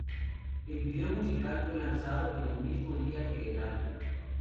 El video musical fue lanzado el mismo día que el álbum.